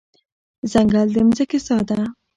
ځنګل د ځمکې ساه ده.